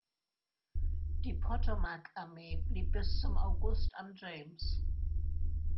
Die Potomac-Armee blieb bis zum August am James.